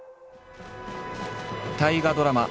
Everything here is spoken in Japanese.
大河ドラマ